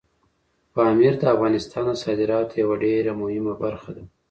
پامیر د افغانستان د صادراتو یوه ډېره مهمه برخه ده.